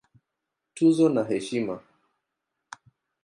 Tuzo na Heshima